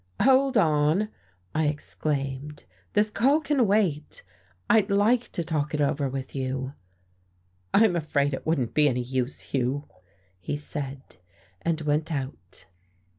"Hold on," I exclaimed, "this call can wait. I'd like to talk it over with you." "I'm afraid it wouldn't be any use, Hugh," he said, and went out.